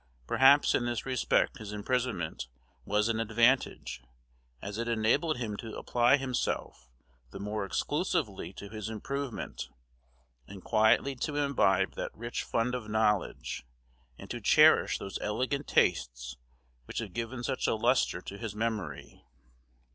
Perhaps in this respect his imprisonment was an advantage, as it enabled him to apply himself the more exclusively to his improvement, and quietly to imbibe that rich fund of knowledge and to cherish those elegant tastes which have given such a lustre to his memory.